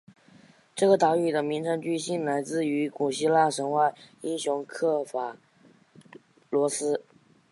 这个岛屿的名称据信来自于古希腊神话英雄刻法罗斯。